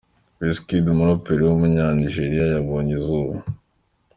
Wizkid, umuraperi w’umunyanigeriya yabonye izuba.